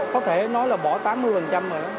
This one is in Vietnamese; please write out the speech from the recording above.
có thể nói là bỏ tám mươi rồi đó